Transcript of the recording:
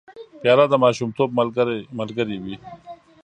پیاله د ماشومتوب ملګرې وي.